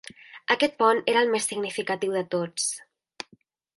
Aquest pont era el més significatiu de tots.